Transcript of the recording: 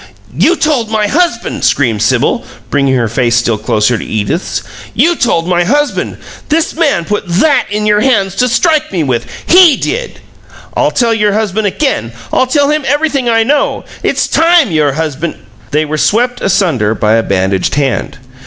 "You told my husband!" screamed Sibyl, bringing her face still closer to Edith's. "You told my husband! This man put THAT in your hands to strike me with! HE did!" "I'll tell your husband again! I'll tell him everything I know! It's TIME your husband " They were swept asunder by a bandaged hand.